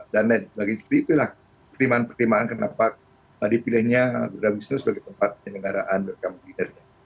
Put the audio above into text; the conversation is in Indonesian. dan bagi saya itulah perlimaan perlimaan kenapa tadi pilihnya garuda wisnu sebagai tempat penyelenggaraan welcome dinner